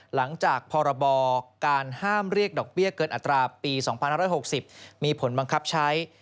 หลังจากพรบการห้ามเรียกดอกเบี้ยเกินอัตราปี๒๕๖๐มีผลบังคับใช้